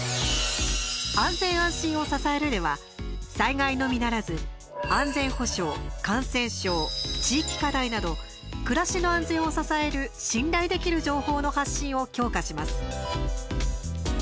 「安全・安心を支える」では災害のみならず安全保障、感染症、地域課題など暮らしの安全を支える「信頼できる情報」の発信を強化します。